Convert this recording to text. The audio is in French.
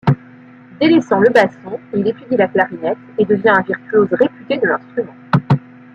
Délaissant le basson, il étudie la clarinette et devient un virtuose réputé de l'instrument.